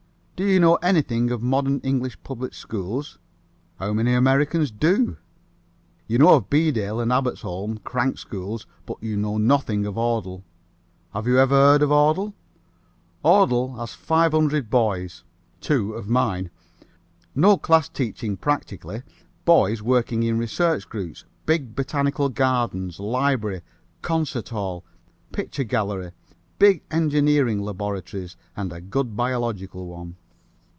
"Do you know anything of modern English public schools? How many Americans do? You know of Beedale's and Abbotsholm, crank schools, but you know nothing of Audle. Have you ever heard of Audle? Audle has 500 boys (two of mine). No class teaching practically, boys working in research groups, big botanical gardens, library, concert hall, picture gallery, big engineering laboratories and a good biological one.